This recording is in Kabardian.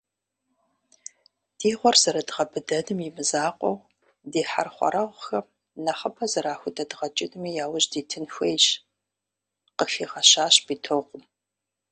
«Ди гъуэр зэрыдгъэбыдэным имызакъуэу, ди хьэрхуэрэгъухэм нэхъыбэ зэрахудэдгъэкӀынми яужь дитын хуейщ», - къыхигъэщащ Битокъум.